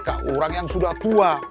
ke orang yang sudah tua